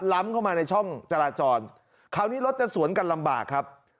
ล้ำเข้ามาในช่องจราจรคราวนี้รถจะสวนกันลำบากครับ